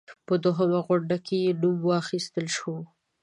په دوهمه غونډه کې مې نوم واخیستل شو.